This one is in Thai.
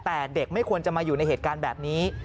แต่เด็กไม่ควรจะมาอยู่ในเหตุการณ์แบบนี้